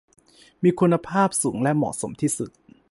มีคุณภาพสูงและเหมาะสมที่สุด